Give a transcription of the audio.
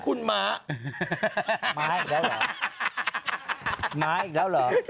ครับผมนะฮะ